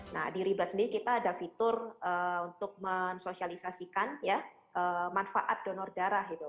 nah di ribet sendiri kita ada fitur untuk mensosialisasikan ya manfaat donor darah gitu